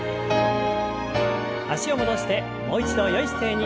脚を戻してもう一度よい姿勢に。